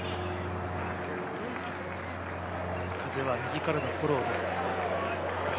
風は右からのフォローです。